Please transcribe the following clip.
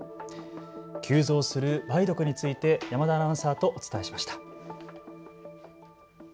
急増する梅毒について山田アナウンサーとお伝えしました。